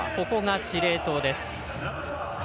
ここが司令塔です。